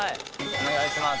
お願いします。